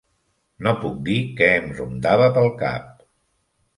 No puc dir què em rondava pel cap.